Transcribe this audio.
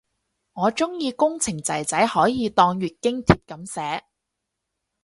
我鍾意工程仔仔可以當月經帖噉寫